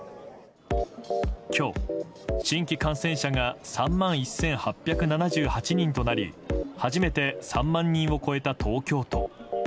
今日、新規感染者が３万１８７８人となり初めて３万人を超えた東京都。